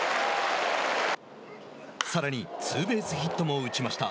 さらにツーベースヒットも打ちました。